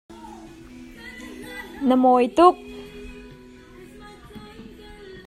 Hi nawl vialte theih buin, nangmah tazacuai mi kong ah keimah he i chawnh na duh maw?